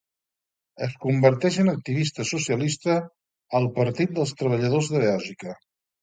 Es converteix en activista socialista al Partit dels Treballadors de Bèlgica.